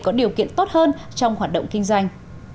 có điều kiện tốt hơn trong hoạt động kinh doanh